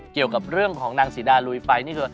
เกี่ยวกับเรื่องของนางศรีดาลุยไฟนี่คือ